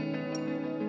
siang tak lama